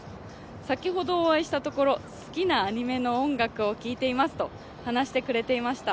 先ほどお会いしたところ好きなアニメの音楽を聴いていますと話してくれました。